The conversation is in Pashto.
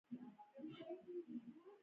میداني معلومات یې هم وکارول.